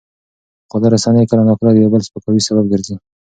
خواله رسنۍ کله ناکله د یو بل د سپکاوي سبب ګرځي.